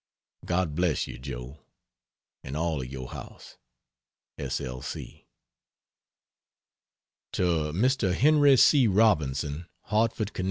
God bless you Joe and all of your house. S. L. C. To Mr. Henry C. Robinson, Hartford, Conn.